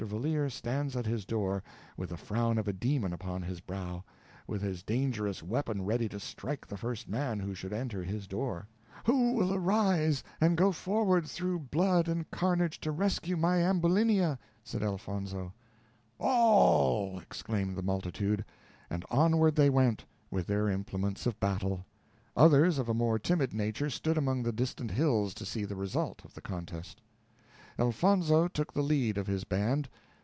Valeer stands at his door with the frown of a demon upon his brow, with his dangerous weapon ready to strike the first man who should enter his door. "Who will arise and go forward through blood and carnage to the rescue of my Ambulinia?" said Elfonzo. "All," exclaimed the multitude; and onward they went, with their implements of battle. Others, of a more timid nature, stood among the distant hills to see the result of the contest. Elfonzo took the lead of his band.